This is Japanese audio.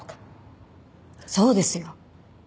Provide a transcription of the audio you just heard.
そうですよ。